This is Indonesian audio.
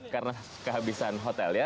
karena kehabisan hotel ya